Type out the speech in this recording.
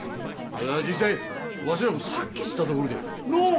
実際わしらもさっき知ったところでのう？